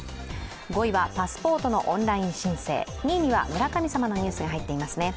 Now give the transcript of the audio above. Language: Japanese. ５位はパスポートのオンライン申請２位には村神様のニュースが入っていますね。